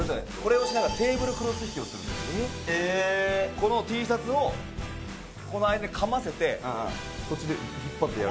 このＴシャツをこの間にかませてこっちで引っ張ってやる。